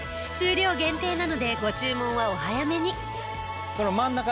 数量限定なのでご注文はお早めに。